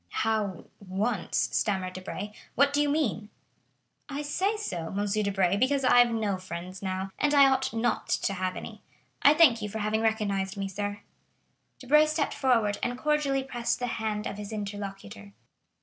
"How once?" stammered Debray; "what do you mean?" "I say so, M. Debray, because I have no friends now, and I ought not to have any. I thank you for having recognized me, sir." Debray stepped forward, and cordially pressed the hand of his interlocutor.